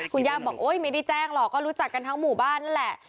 คุณย่าบอกโอ๊ยไม่ได้แจ้งหรอกก็รู้จักกันทั้งหมู่บ้านนั่นแหละ